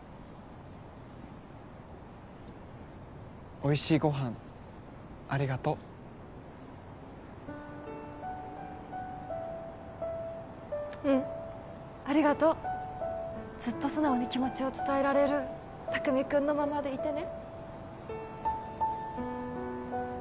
おいしいご飯ありがとううんありがとうずっと素直に気持ちを伝えられる巧君のままでいてね